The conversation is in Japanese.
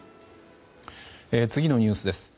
次のニュースです。